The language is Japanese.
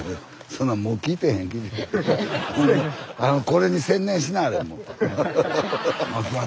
これに専念しなはれもう。